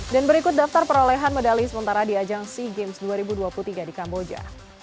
dan berikut daftar perolehan medali sementara di ajang sea games dua ribu dua puluh tiga di kamboja